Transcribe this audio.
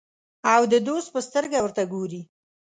او د دوست په سترګه ورته ګوري.